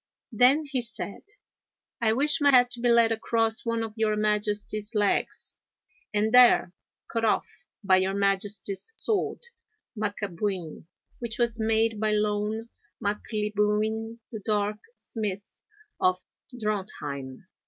Then he said: 'I wish my head to be laid across one of your Majesty's legs, and there cut off by your Majesty's sword Macabuin, which was made by Loan Maclibuin, the Dark Smith of Drontheim!'